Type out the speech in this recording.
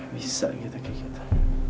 bisa gitu kayak gitu